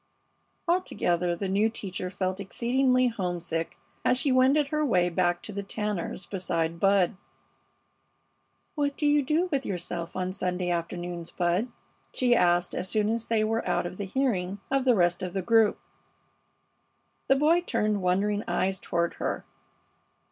Altogether the new teacher felt exceedingly homesick as she wended her way back to the Tanners' beside Bud. "What do you do with yourself on Sunday afternoons, Bud?" she asked, as soon as they were out of hearing of the rest of the group. The boy turned wondering eyes toward her.